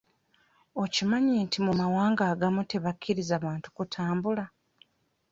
Okimanyi nti mu mawanga agamu tebakkiriza bantu kutambula?